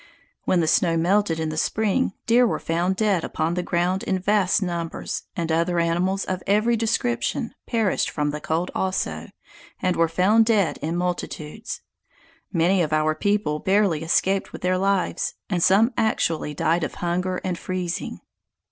When the snow melted in the spring, deer were found dead upon the ground in vast numbers; and other animals, of every description, perished from the cold also, and were found dead, in multitudes. Many of our people barely escaped with their lives, and some actually died of hunger and freezing.